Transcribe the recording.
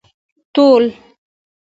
ټول